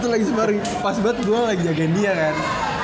waktu itu pas banget gue lagi jagain dia kan